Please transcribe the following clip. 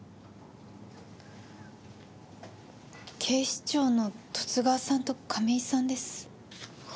警視庁の十津川さんと亀井さんです。